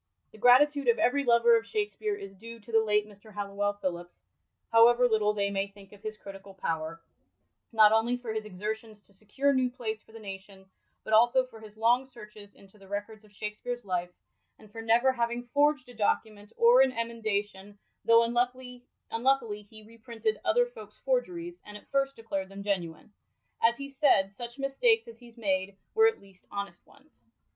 The gratitude of every lover of Shakspere is due to the late Mr. Halliwell Phillips — ^however little they may think of his critical power— not only for his exertions to secure New Place for the nation, but also for his long searches into the records of Shakspeve's life, and for never having forged a document or an emendation, though imluckily he reprinted other folk's forgeries, and at first declared them genuine. As he said, such mistakes as he's made, were at least honest ones.